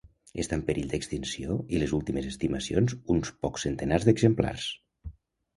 Està en perill d'extinció i les últimes estimacions uns pocs centenars d'exemplars.